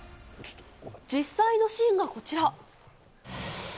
実際のシーンがこちら。